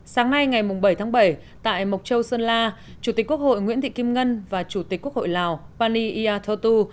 sáng nay ngày bảy tháng bảy tại mộc châu sơn la chủ tịch quốc hội nguyễn thị kim ngân và chủ tịch quốc hội lào pani ia tho tu